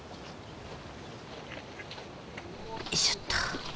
よいしょっと。